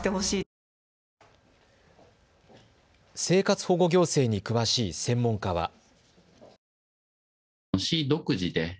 生活保護行政に詳しい専門家は。